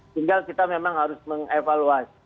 tinggal kita memang harus mengevaluasi